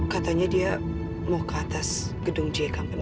katanya dia mau ke atas gedung j company